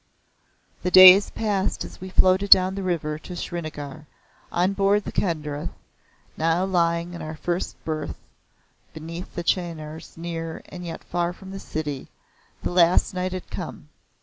The days passed as we floated down the river to Srinagar. On board the Kedarnath, now lying in our first berth beneath the chenars near and yet far from the city, the last night had come.